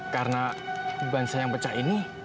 karena bansa yang pecah ini